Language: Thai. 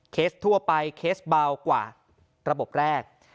ทั่วไปเคสเบากว่าระบบแรก